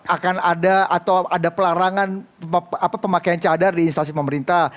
akan ada atau ada pelarangan pemakaian cadar di instansi pemerintah